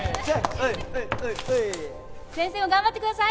先生も頑張ってください！